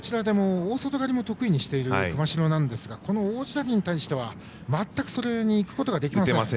大外刈りも得意としている熊代ですがこの王子谷に対しては全く、それにいくことができていません。